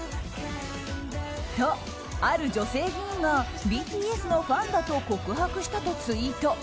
と、ある女性議員がＢＴＳのファンだと告白したとツイート。